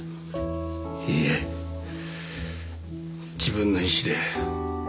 いいえ自分の意思で。